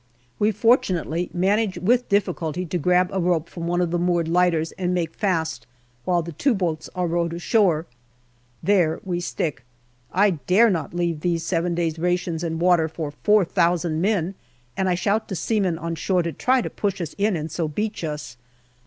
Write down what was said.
We fortunately manage with difficulty to grab a rope from one of the moored lighters and make fast while the two boats are rowed ashore. There we stick. I dare not leave those seven days' rations and water for 36 GALLIPOLI DIARY four thousand men, and I shout to seamen on shore to try to push us in and so beach us.